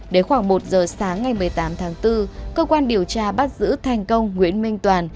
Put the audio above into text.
đến khoảng một giờ sáng ngày một mươi tám tháng bốn cơ quan điều tra bắt giữ thành công nguyễn minh toàn